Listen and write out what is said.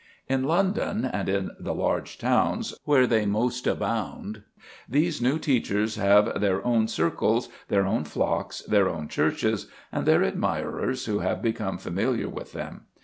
In London and in the large towns, where they most abound, these new teachers have their own circles, their own flocks, their own churches, and their admirers who have become familiar with them.